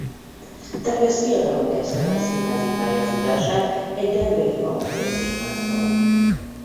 Douglas fiatalon kezdte meg színházi pályafutását egy denveri amatőr színházban.